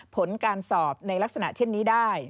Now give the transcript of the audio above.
ผลการสอบในลักษณะเช่นนี้ได้